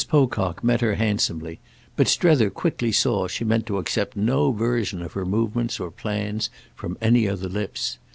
Pocock met her handsomely, but Strether quickly saw she meant to accept no version of her movements or plans from any other lips.